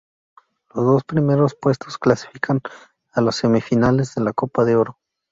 Los dos primeros puestos clasifican a las semifinales de la Copa de Oro.